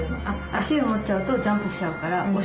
足を持っちゃうとジャンプしちゃうからお尻ですね。